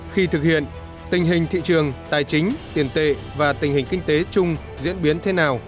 khi thực hiện tình hình thị trường tài chính tiền tệ và tình hình kinh tế chung diễn biến thế nào